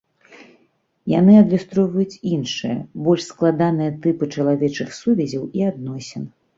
Яны адлюстроўваюць іншыя, больш складаныя тыпы чалавечых сувязяў і адносін.